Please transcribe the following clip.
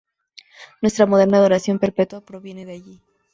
Nuestra moderna adoración perpetua proviene de allí.